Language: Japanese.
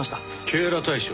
警ら対象？